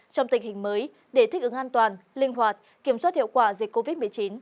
trong tình hình mới để thích ứng an toàn linh hoạt kiểm soát hiệu quả dịch covid một mươi chín